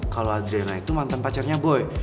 kalau adrena itu mantan pacarnya boy